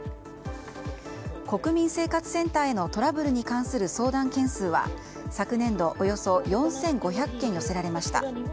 国民生活センターへのトラブルに関する相談件数は昨年度、およそ４５００件寄せられました。